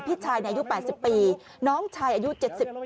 พี่ชายอายุ๘๐ปี